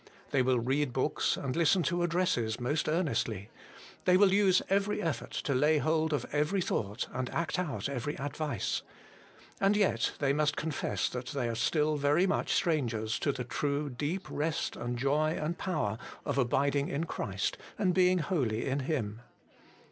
They will read books and listen to addresses most earnestly ; they will use every effort to lay hold of every thought, and act out every advice. And yet they must confess that they are still very much strangers to the true, deep rest and joy and power of abiding in Christ, and being holy in Him.